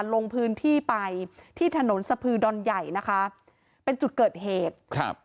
ลงพื้นที่ไปที่ถนนสะพือดอนใหญ่นะคะเป็นจุดเกิดเหตุครับ